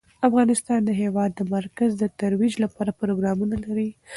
افغانستان د هېواد د مرکز ترویج لپاره پروګرامونه لري.